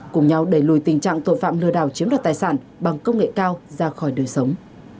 cùng nhau đẩy lùi tình trạng tội phạm lừa đảo chiếm đoạt tài sản bằng công nghệ cao ra khỏi đời sống